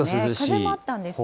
風もあったんですよね。